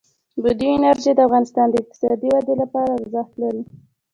بادي انرژي د افغانستان د اقتصادي ودې لپاره ارزښت لري.